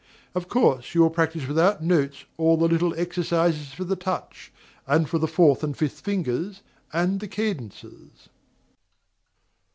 Of course you will practise without notes all the little exercises for the touch, and for the fourth and fifth fingers, and the cadences.